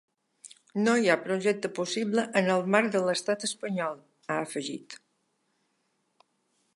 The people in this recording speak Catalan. “No hi ha projecte possible en el marc de l’estat espanyol”, ha afegit.